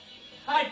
はい！